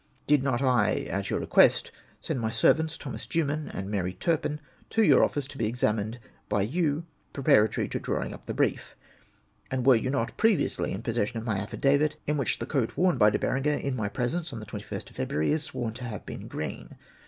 Did not I, at your request, send my servants, Thomas Dewman and Mary Turpin, to your office to be examined hj you preparatory to your drawing the brief? And were not you previously in possession of my affidavit, in which the coat worn by De Berenger in my presence on the 21st of February, is sworn to have been green